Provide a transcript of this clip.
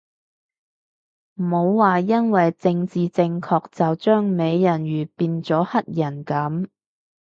冇話因為政治正確就將美人魚變咗黑人噉